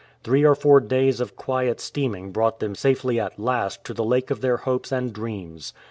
Three or four days of quiet steaming brought them safely at last to the lake of their hopes and dreams.